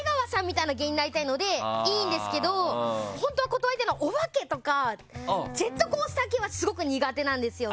たな芸人になりたいのでいいんですけど本当は断りたいのお化けとかジェットコースター系はすごく苦手なんですよね。